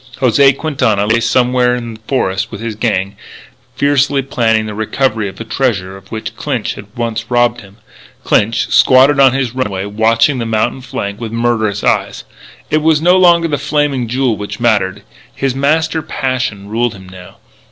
José Quintana lay somewhere in the forests with his gang, fiercely planning the recovery of the treasure of which Clinch had once robbed him. Clinch squatted on his runway, watching the mountain flank with murderous eyes. It was no longer the Flaming Jewel which mattered. His master passion ruled him now.